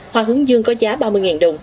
hoa hướng dương có giá ba mươi đồng